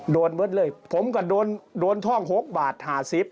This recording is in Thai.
โดนเวิร์ดเลยผมก็โดนท่อง๖บาท๕๐